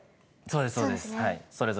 そうですそうです。